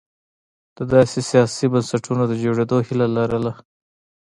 د داسې سیاسي بنسټونو د جوړېدو هیله لرله.